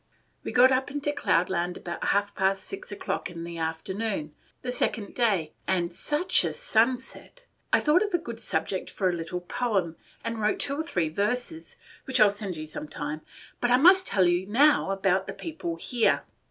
"We got up into Cloudland about half past six o'clock in the afternoon, the second day; and such a sunset! I thought of a good subject for a little poem, and wrote two or three verses, which I 'll send you some time; but I must tell you now about the people here.